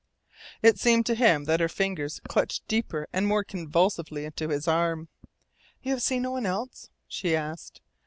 It seemed to him that her fingers clutched deeper and more convulsively into his arm. "You have seen no one else?" she asked.